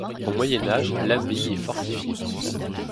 Au Moyen Âge, l'abbaye est fortifiée.